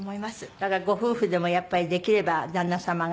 だからご夫婦でもやっぱりできれば旦那様が。